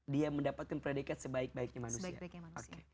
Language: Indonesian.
dia mendapatkan predikat sebaik baiknya manusia